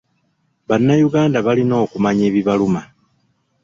Bannayuganda balina okumanya ebibaluma